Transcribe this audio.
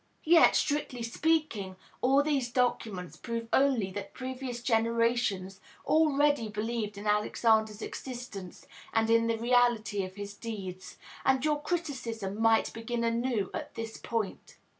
Yet, strictly speaking, all these documents prove only that previous generations already believed in Alexander's existence and in the reality of his deeds, and your criticism might begin anew at this point.